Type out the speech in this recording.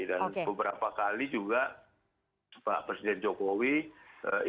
dan beberapa kali juga pak presiden jokowi ingin memberikan